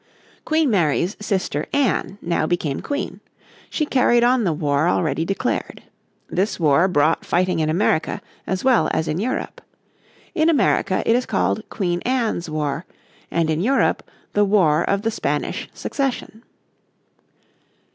Queen Mary's sister Anne now became Queen; she carried on the war already declared. This war brought fighting in America as well as in Europe. In America it is called Queen Anne's War, and in Europe the War of the Spanish Succession.